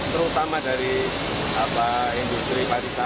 terutama dari industri pariwisata